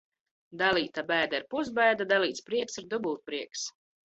Dalīta bēda ir pusbēda, dalīts prieks ir dubultprieks.